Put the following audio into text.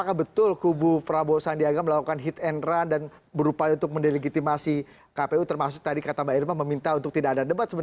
karena selama ini selalu ada hit and run hit and run